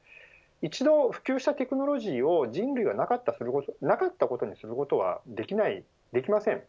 一度普及したテクノロジーを人類がなかったことにすることはできません。